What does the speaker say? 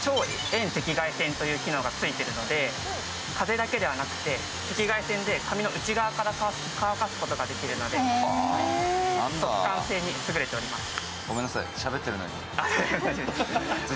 遠赤外線という機能がついているので風だけではなくて、赤外線で髪の内側から乾かすことができるので速乾性に優れています。